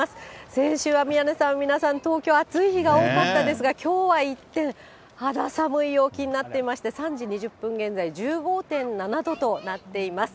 先週は宮根さん、皆さん、東京、暑い日が多かったですが、きょうは一転、肌寒い陽気になっていまして、３時２０分現在、１５．７度となっています。